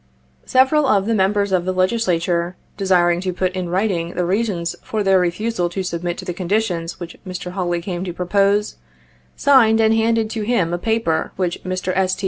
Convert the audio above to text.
Several of the Members of the Legislature desiring to put in writing the reasons for their refusal to submit to the conditions which Mr. Hawley came to propose, signed and handed to him a paper which Mr. S. T.